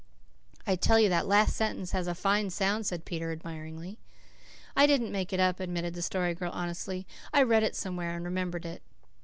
"I tell you that last sentence has a fine sound," said Peter admiringly. "I didn't make that up," admitted the Story Girl honestly. "I read it somewhere and remembered it."